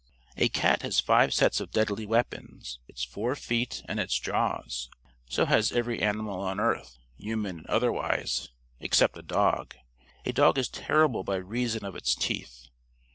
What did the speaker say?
A cat has five sets of deadly weapons its four feet and its jaws. So has every animal on earth human and otherwise except a dog. A dog is terrible by reason of its teeth.